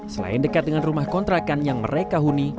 selain dekat dengan rumah kontrakan yang mereka huni